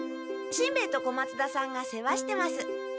しんべヱと小松田さんが世話してます。